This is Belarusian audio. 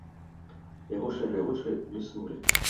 Яго шэрыя вочы бліснулі.